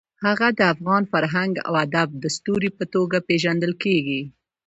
هغه د افغان فرهنګ او ادب د ستوري په توګه پېژندل کېږي.